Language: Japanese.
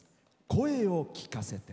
「声をきかせて」。